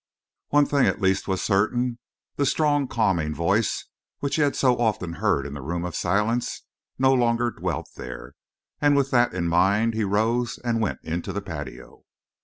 One thing at least was certain: the strong, calming voice which he had so often heard in the Room of Silence, no longer dwelt there, and with that in mind he rose and went into the patio.